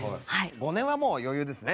５年はもう余裕ですね。